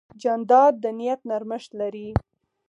جانداد د نیت نرمښت لري.